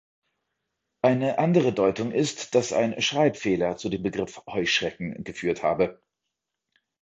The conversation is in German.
Eine andere Deutung ist, dass ein Schreibfehler zu dem Begriff "Heuschrecken" geführt habe.